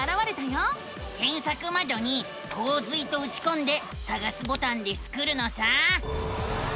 けんさくまどに「こう水」とうちこんでさがすボタンでスクるのさ。